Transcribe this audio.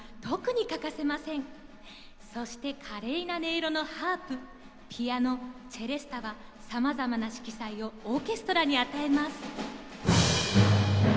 そして華麗な音色のハープピアノチェレスタはさまざまな色彩をオーケストラに与えます。